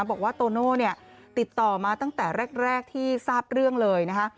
บอกว่าโตโน่เนี่ยติดต่อมาตั้งแต่แรกที่ทราบเรื่องเลยนะคะ